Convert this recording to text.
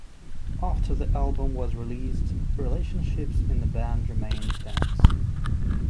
After the album was released, relationships in the band remained tense.